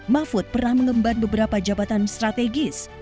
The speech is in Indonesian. mahfud pernah mengemban beberapa jabatan strategis